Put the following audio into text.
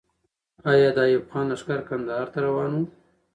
آیا د ایوب خان لښکر کندهار ته روان وو؟